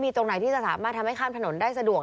ตรงไหนที่จะสามารถทำให้ข้ามถนนได้สะดวก